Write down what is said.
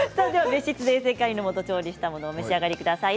別室で衛生管理のもと調理したものをお召し上がりください。